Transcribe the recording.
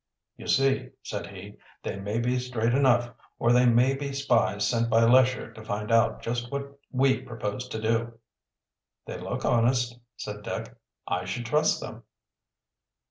"You see," said he, "they may be straight enough, or they may be spies sent by Lesher to find out just what we propose to do." "They look honest," said Dick. "I should trust them."